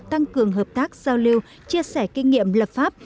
tăng cường hợp tác giao lưu chia sẻ kinh nghiệm lập pháp